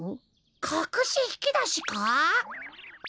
かくしひきだしか？